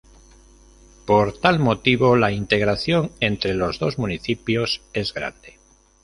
Por tal motivo la integración entre los dos municipios es grande.